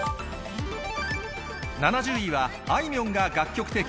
７０位は、あいみょんが楽曲提供。